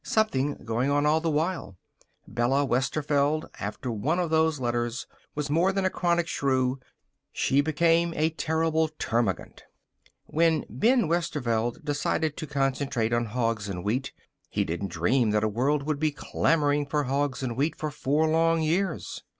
Something going on all the while. Bella Westerveld, after one of those letters, was more than a chronic shrew; she became a terrible termagant. When Ben Westerveld decided to concentrate on hogs and wheat he didn't dream that a world would be clamoring for hogs and wheat for four long years.